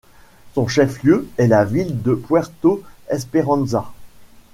Son chef-lieu est la ville de Puerto Esperanza.